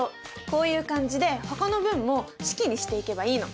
こういう感じでほかの文も式にしていけばいいの。